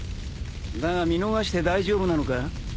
だが見逃して大丈夫なのか？